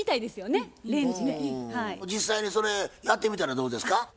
実際にそれやってみたらどうですか？